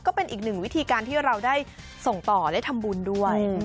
ก็เป็นอีกหนึ่งวิธีการที่เราได้ส่งต่อได้ทำบุญด้วย